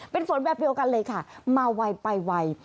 เป็นฝนแบบเดียวกันเลยค่ะมาไวไปไว